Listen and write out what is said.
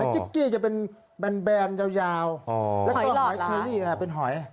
จิ๊บกี้จะเป็นแบนยาวแล้วก็หอยเชอรี่เป็นหอย